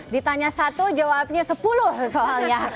ditanya satu jawabnya sepuluh soalnya